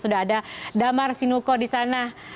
sudah ada damar sinuko di sana